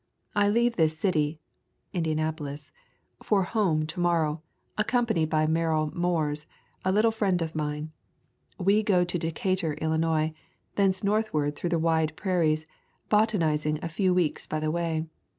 I leave this city [Indianapolis] for home to morrow, accompanied by Merrill Moores, a little friend of mine. We will go to Decatur, IIlinois, thence northward through the wide prairies, botaniz ing a few weeks by the way...